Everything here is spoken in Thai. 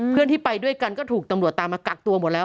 เพื่อนที่ไปด้วยกันก็ถูกตำรวจตามมากักตัวหมดแล้ว